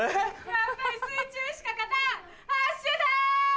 やっぱり水中しか勝たんハッシュタグ！